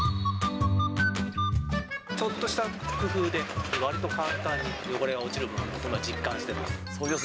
ちょっとした工夫で、わりと簡単に汚れが落ちるということを実感してます。